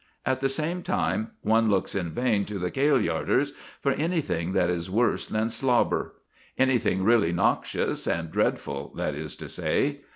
At the same time, one looks in vain to the Kailyarders for anything that is worse than slobber anything really noxious and dreadful, that is to say.